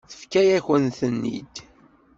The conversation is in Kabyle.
Tefka-yakent-ten-id.